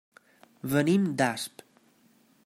Venim d'Asp.